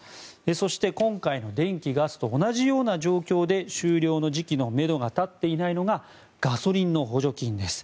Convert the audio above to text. そして今回の電気・ガスと同じような状況で終了の時期のめどが立っていないのがガソリンの補助金です。